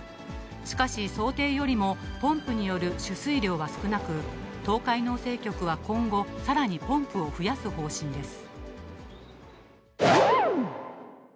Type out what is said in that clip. しかし、想定よりもポンプによる取水量は少なく、東海農政局は今後、さらにポンプを増やす方針です。